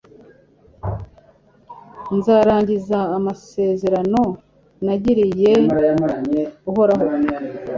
nzarangiza amasezerano nagiriye Uhoraho